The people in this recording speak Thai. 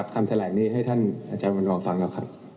คำถ่ายแหล่งนี้ให้ท่านอาจารย์วันนอธิบายฟังแล้ว